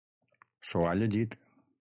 S'ho ha llegit.